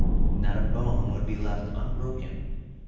Not a bone would be left unbroken.